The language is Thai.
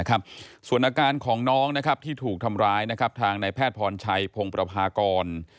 คุณการของน้องนะครับที่ถูกทำร้ายนะครับทางในแพทย์พรชัยโพงปรพากร